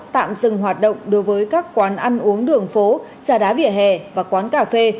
tạm dừng hoạt động đối với các quán ăn uống đường phố trà đá vỉa hè và quán cà phê